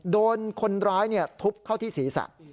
โดนคนร้ายทุบเข้าที่ศีรษะ